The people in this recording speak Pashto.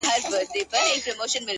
سـتـــا خــبــــــري دي،